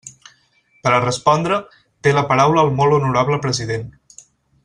Per a respondre, té la paraula el molt honorable president.